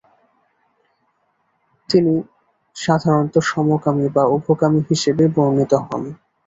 তিনি সাধারণত সমকামী বা উভকামী হিসেবে বর্ণিত হন।